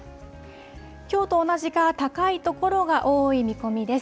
きょうと同じか高い所が多い見込みです。